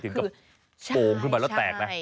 โปร่งขึ้นมาแล้วแตกนะ